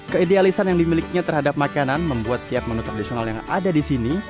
keidealisan yang dimilikinya terhadap makanan membuat tiap menu tradisional yang ada di sini